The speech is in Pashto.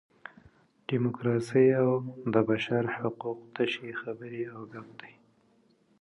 ډیموکراسي او د بشر حقوق تشې خبرې او ګپ دي.